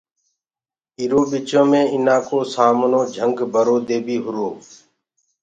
اِرو ٻِچو مي اُنآ ڪو سامنو جھنگ برو دي بي هُرو۔